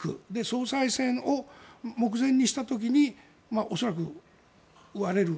総裁選を目前にした時に恐らく割れる。